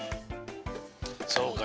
そうか。